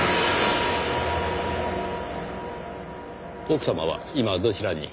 奥様は今どちらに？